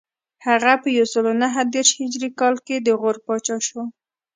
هغه په یو سل نهه دېرش هجري کال کې د غور پاچا شو